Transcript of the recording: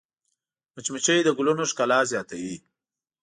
مچمچۍ د ګلونو ښکلا زیاتوي